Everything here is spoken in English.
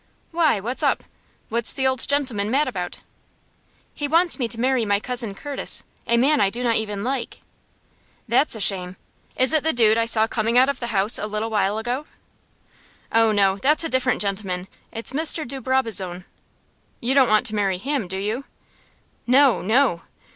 "Why, what's up? What's the old gentleman mad about?" "He wants me to marry my cousin Curtis a man I do not even like." "That's a shame! Is it the dude I saw come out of the house a little while ago?" "Oh, no; that's a different gentleman. It's Mr. de Brabazon." "You don't want to marry him, do you?" "No, no!"